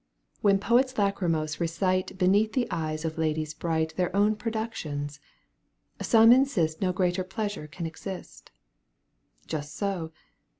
When poets lachrymose recite Beneath the eyes of ladies bright Their own productions, some insist No greater pleasure can exist Just so